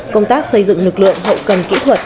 công tác xây dựng lực lượng hậu cần kỹ thuật